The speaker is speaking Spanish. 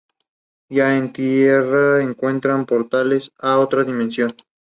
Ya en tierra, encuentran portales a otra dimensión.